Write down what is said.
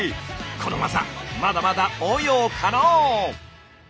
このワザまだまだ応用可能！